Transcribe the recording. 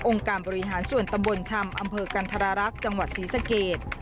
การบริหารส่วนตำบลชำอำเภอกันธรรักษ์จังหวัดศรีสเกต